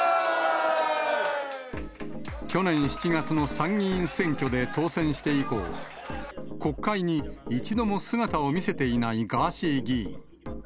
去年７月の参議院選挙で当選して以降、国会に一度も姿を見せていないガーシー議員。